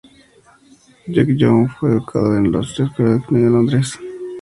Jock Young fue educado en la Escuela de Economía de Londres.